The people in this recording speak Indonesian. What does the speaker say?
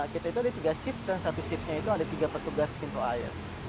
kita itu ada tiga shift dan satu shiftnya itu ada tiga petugas pintu air